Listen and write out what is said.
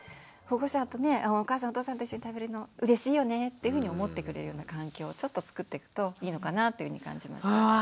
保護者とねお母さんお父さんと一緒に食べるの「うれしいよね」っていうふうに思ってくれるような環境をちょっとつくってくといいのかなというふうに感じました。